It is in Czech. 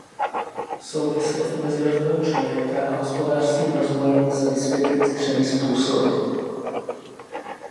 Souvislost mezi rozvojem člověka a hospodářským rozvojem lze vysvětlit třemi způsoby.